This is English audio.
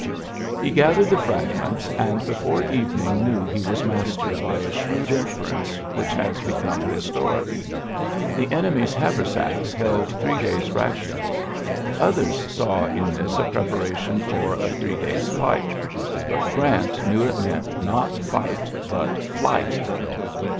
He gathered the fragments, and before evening knew he was master by a shrewd inference which has become historic. The enemy's haversacks held three days' rations. Others saw in this a preparation for a three days^ fight ; but Grant knew it meant, not fight, but flight.